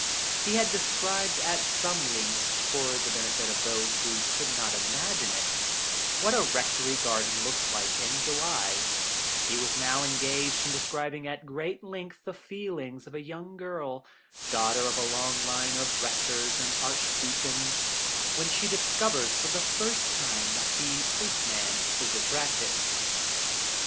He had described at some length, for the benefit of those who could not imagine it, what a rectory garden looks like in July; he was now engaged in describing at greater length the feelings of a young girl, daughter of a long line of rectors and archdeacons, when she discovers for the first time that the postman is attractive.